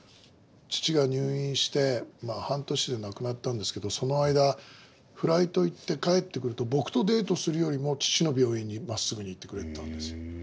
父が入院して半年で亡くなったんですけどその間フライト行って帰ってくると僕とデートするよりも父の病院にまっすぐに行ってくれてたんですよ。